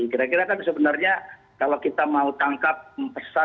kira kira kan sebenarnya kalau kita mau tangkap pesan